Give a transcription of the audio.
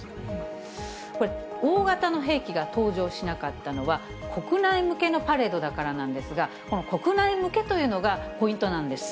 これ、大型の兵器が登場しなかったのは、国内向けのパレードだからなんですが、この国内向けというのがポイントなんです。